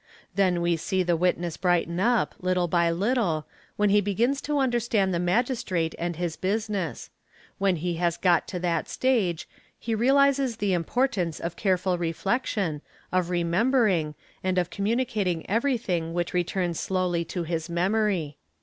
Then we see the witness brighten up, littl by little, when he begins to understand the Magistrate and his business; when he has got to that stage, he realizes the importance of caref i DIFFERENCES IN NATURAL QUALITIES AND CULTURE 91 " reflection, of remembering, and of communicating everything which re _ turns slowly to his memory.